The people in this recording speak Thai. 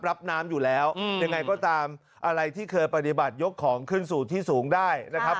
รับน้ำอยู่แล้วยังไงก็ตามอะไรที่เคยปฏิบัติยกของขึ้นสู่ที่สูงได้นะครับ